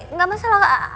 ehh gak masalah